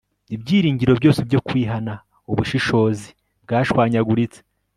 Ibyiringiro byose byo kwihana ubushishozi byashwanyaguritse